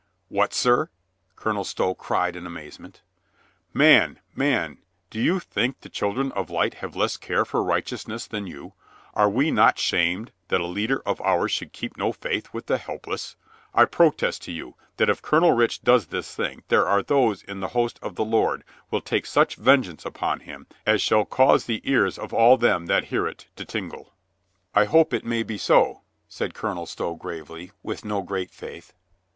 "What, sir?" Colonel Stow cried in amazement, "Man, man, do you think the children of light have less care for righteousness than you? Are we not shamed that a leader of ours should keep no faith with the helpless? I protest to you that if Colonel Rich does this thing, there are those in the host of the Lord will take such vengeance upon him as shall cause the ears of all them that hear it to tingle." COLONEL STOW IS SHOWN HIS DUTY 299 "I hope it may be so," said Colonel Stow grave ly, with no great faith.